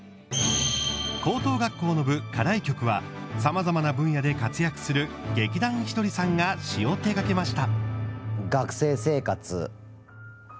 高等学校の部、課題曲はさまざまな分野で活躍する劇団ひとりさんが詞を手がけました。